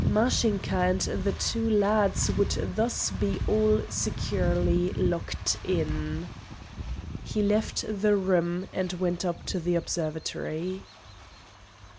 Mashinka and the two lads would thus be all securely locked in. He left the room and went up to the observatory.